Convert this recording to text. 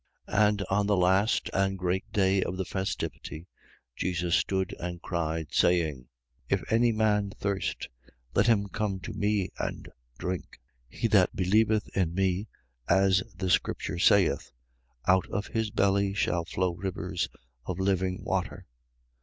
7:37. And on the last, and great day of the festivity, Jesus stood and cried, saying: If any man thirst, let him come to me and drink. 7:38. He that believeth in me, as the scripture saith: Out of his belly shall flow rivers of living water.